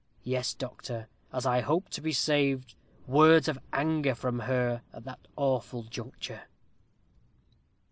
Yes, doctor, as I hope to be saved, words of anger from her at that awful juncture."